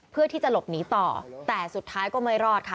เพื่อที่จะหลบหนีต่อแต่สุดท้ายก็ไม่รอดค่ะ